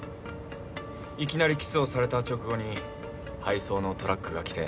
いきなりキスをされた直後に配送のトラックが来て。